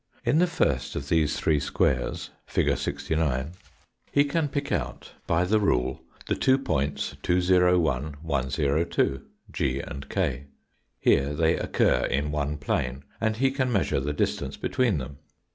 In the first of these three squares, fig. 69, he can 127 pick out by the rule the two points 201, 102 u, and K. Here they occur in one plane and he can measure the distance between them.